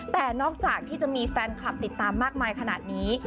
แต่นอกจากที่จะมีแฟนคลับติดตามมากมายขนาดนี้